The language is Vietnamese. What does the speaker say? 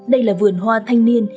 đây là vườn hoa thanh niên